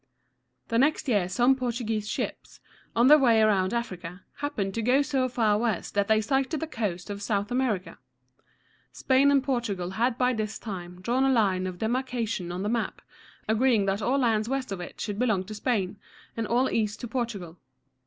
The next year some Portuguese ships, on their way around Africa, happened to go so far west that they sighted the coast of South America. Spain and Portugal had by this time drawn a line of demarcation on the map, agreeing that all lands west of it should belong to Spain, and all east to Portugal.